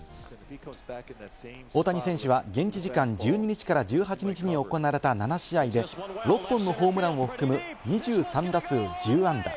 大谷選手は現地時間１２日から１８日に行われた７試合で６本のホームランを含む２３打数１０安打。